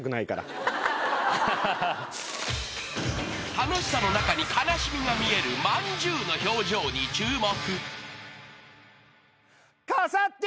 ［楽しさの中に悲しみが見えるまんじゅうの表情に注目］